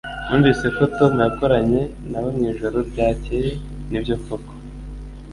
Numvise ko Tom yakoranye nawe mwijoro ryakeye Nibyo koko